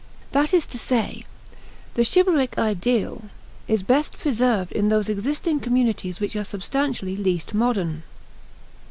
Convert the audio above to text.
That is to say, the chivalric ideal is best preserved in those existing communities which are substantially least modern.